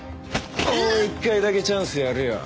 もう一回だけチャンスやるよ。